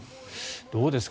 どうですか？